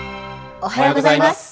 おはようございます。